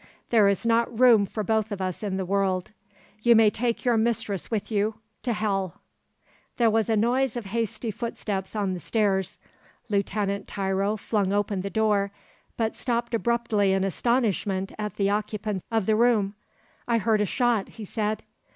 There is not room for both of us in the world. You may take your mistress with you to hell." There was a noise of hasty footsteps on the stairs; Lieutenant Tiro flung open the door, but stopped abruptly in astonishment at the occupants of the room. "I heard a shot," he said.